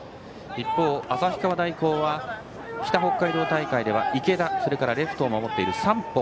一方、旭川大高は北北海道大会では池田それからレフトを守っている山保。